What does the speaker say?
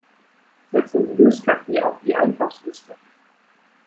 Setze Löskaffee auf die Einkaufsliste!